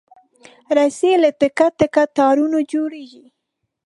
رسۍ له تکه تکه تارونو جوړېږي.